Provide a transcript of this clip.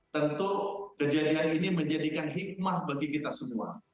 tentu kejadian ini menjadikan hikmah bagi kita semua